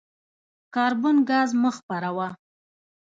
کاربن ګاز مه خپروه.